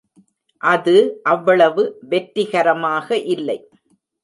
அது அவ்வளவு வெற்றிகரமாக இல்லை.